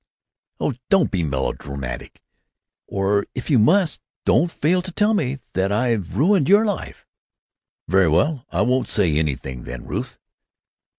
"Oh, don't be melodramatic. Or if you must be, don't fail to tell me that I've ruined your life." "Very well. I won't say anything, then, Ruth."